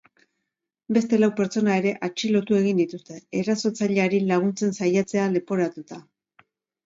Beste lau pertsona ere atxilotu egin dituzte, erasotzaileari laguntzen saiatzea leporatuta.